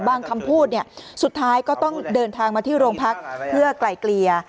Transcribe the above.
คำพูดเนี่ยสุดท้ายก็ต้องเดินทางมาที่โรงพักเพื่อไกลเกลี่ย